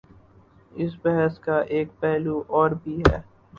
اس بحث کا ایک پہلو اور بھی ہے۔